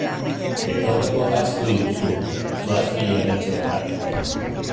Betaurrekoak ahaztu dituzu, zoaz bila oraintxe bertan!